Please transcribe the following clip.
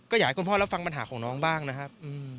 ก็อยากให้คุณพ่อรับฟังปัญหาของน้องบ้างนะครับ